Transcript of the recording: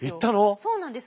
そうなんです。